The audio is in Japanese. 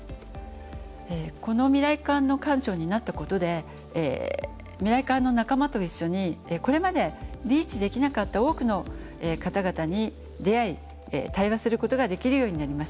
この未来館の館長になったことで未来館の仲間と一緒にこれまでリーチできなかった多くの方々に出会い対話することができるようになりました。